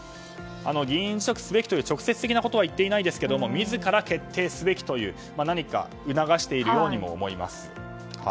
議員辞職すべきという直接的なことは言っていませんが自ら決定すべきという何か促しているようにも思います。